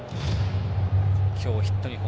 今日ヒット２本。